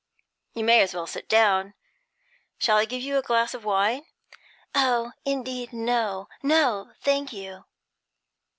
'You may as well sit down. Shall I give you a glass of wine?' 'Oh, indeed, no! No, thank you!'